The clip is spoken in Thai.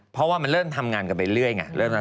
เพราะว่ามันเริ่มทำงานกันไปเรื่อยไง